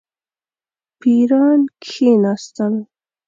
پیران کښېنستل.